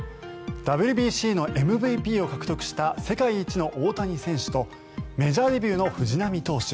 ＷＢＣのＭＶＰを獲得した世界一の大谷選手とメジャーデビューの藤浪投手。